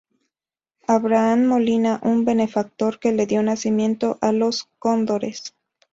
Abraham Molina, un benefactor que le dio nacimiento a Los Cóndores.